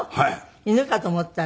犬かと思ったら。